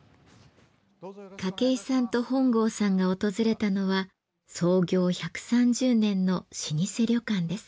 筧さんと本郷さんが訪れたのは創業１３０年の老舗旅館です。